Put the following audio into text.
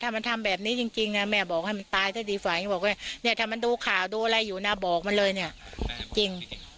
ถ้ามันทำแบบนี้จริงแม่บอกให้มันตายซะดีฝ่าอย่างนี้บอกว่าถ้ามันดูข่าวที่หน้าบอกดูเลยเนี่ย